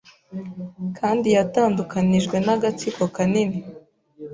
Kandi yatandukanijwe n'agatsiko kanini